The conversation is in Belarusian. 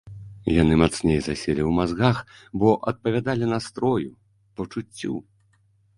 Яны мацней заселі ў мазгах, бо адпавядалі настрою, пачуццю.